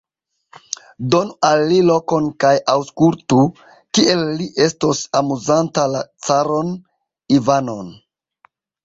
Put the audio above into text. Donu al li lokon kaj aŭskultu, kiel li estos amuzanta la caron Ivanon!